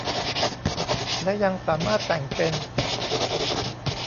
และยังสามารถแต่งเป็น